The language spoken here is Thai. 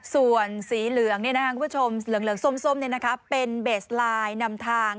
ส่วนสีเหลืองส้มเป็นเบสไลน์นำทาง